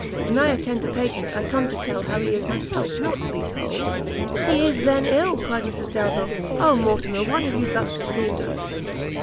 When I attend a patient, I come to tell how he is myself, not to be told." "He is, then ill!" cried Mrs Delvile; "oh Mortimer, why have you thus deceived us!"